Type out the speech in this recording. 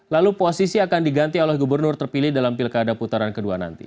lalu posisi akan diganti oleh gubernur terpilih dalam pilkada putaran kedua nanti